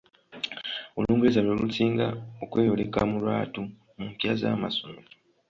Olungereza lwe lusinga okweyoleka mu lwattu mu mpya z'amasomero.